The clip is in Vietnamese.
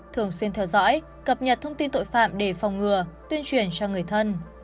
thường xuyên theo dõi cập nhật thông tin tội phạm để phòng ngừa tuyên truyền cho người thân